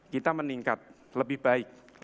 kita meningkat lebih baik